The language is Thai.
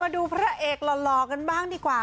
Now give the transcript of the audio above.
ดูพระเอกหล่อกันบ้างดีกว่า